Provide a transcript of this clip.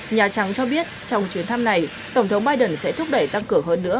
nhà trắng cho biết trong chuyến thăm này tổng thống biden sẽ thúc đẩy tăng cửa hơn nữa